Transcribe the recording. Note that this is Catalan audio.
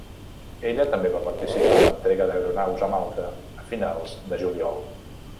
Ella també va participar en l'entrega d'aeronaus a Malta a finals de juliol.